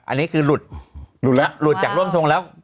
อันนี้คือหลุดหลุดจากร่วมชงแล้ว